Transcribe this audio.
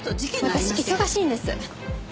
私忙しいんです。